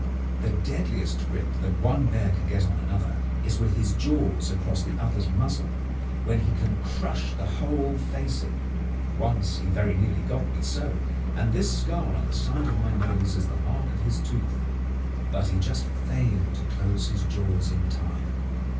The deadliest grip that one bear can get on another is with his jaws across the other's muzzle, when he can crush the whole face in. Once he very nearly got me so, and this scar on the side of my nose is the mark of his tooth; but he just failed to close his jaws in time.